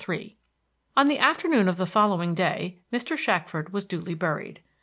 III On the afternoon of the following day Mr. Shackford was duly buried.